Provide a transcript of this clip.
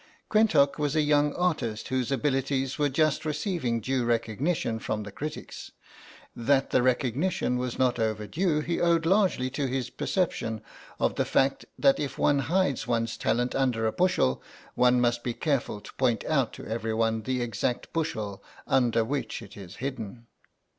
Quentock was a young artist whose abilities were just receiving due recognition from the critics; that the recognition was not overdue he owed largely to his perception of the fact that if one hides one's talent under a bushel one must be careful to point out to everyone the exact bushel under which it is hidden.